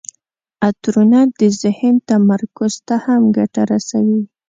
عطرونه د ذهن تمرکز ته هم ګټه رسوي.